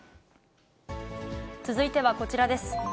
続いてはこちらです。